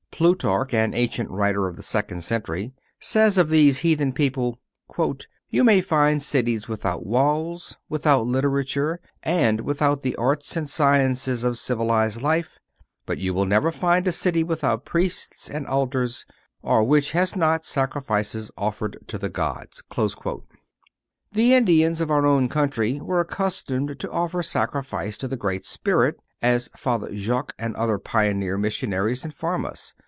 Plutarch, an ancient writer of the second century, says of these heathen people: "You may find cities without walls, without literature and without the arts and sciences of civilized life; but you will never find a city without Priests and altars, or which has not sacrifices offered to the gods." The Indians of our own country were accustomed to offer sacrifice to the Great Spirit, as Father Jogues and other pioneer missionaries inform us.